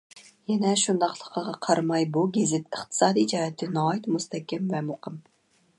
يەنە شۇنداقلىقىغا قارىماي، بۇ گېزىت ئىقتىسادىي جەھەتتىن ناھايىتى مۇستەھكەم ۋە مۇقىم.